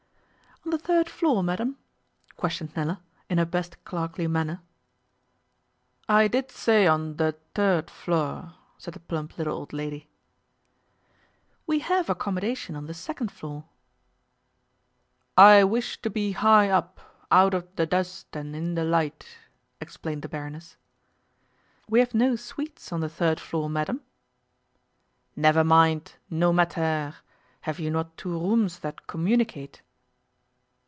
'On the third floor, madam?' questioned Nella, in her best clerkly manner. 'I did say on de tird floor,' said the plump little old lady. 'We have accommodation on the second floor.' 'I wish to be high up, out of de dust and in de light,' explained the Baroness. 'We have no suites on the third floor, madam.' 'Never mind, no mattaire! Have you not two rooms that communicate?